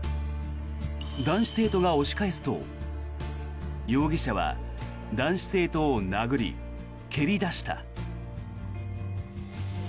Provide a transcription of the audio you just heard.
男子生徒が押し返すと容疑者は男子生徒を殴り蹴り出した。